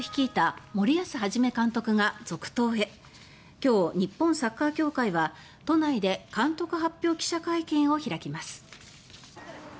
今日日本サッカー協会は都内で監督発表記者会見を行うことになりました。